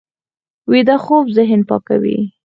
ویده خوب ذهن پاکوي